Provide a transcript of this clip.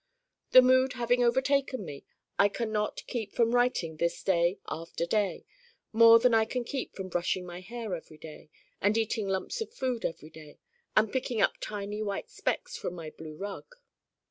The mood having overtaken me I can not keep from writing this day after day, more than I can keep from brushing my hair every day, and eating lumps of food every day, and picking up tiny white specks from my blue rug.